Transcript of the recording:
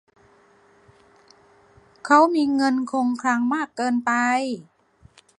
เขามีเงินคงคลังมากเกินไป